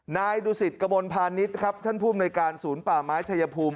นายดูสิตกระมวลพาณิชย์ครับท่านภูมิในการศูนย์ป่าไม้ชายภูมิ